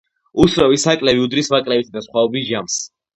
უცნობი საკლები უდრის მაკლებისა და სხვაობის ჯამს.